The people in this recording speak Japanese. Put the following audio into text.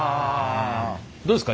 どうですか？